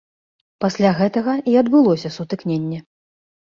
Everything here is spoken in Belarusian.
Пасля гэтага і адбылося сутыкненне.